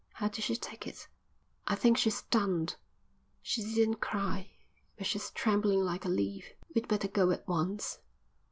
How did she take it?" "I think she's stunned. She didn't cry. But she's trembling like a leaf." "We'd better go at once."